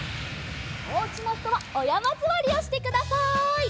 おうちのひとはおやまずわりをしてください。